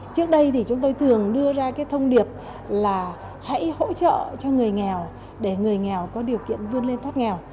trước đây thì chúng tôi thường đưa ra cái thông điệp là hãy hỗ trợ cho người nghèo để người nghèo có điều kiện vươn lên thoát nghèo